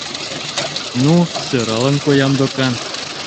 Ну, сӧралын коям докан.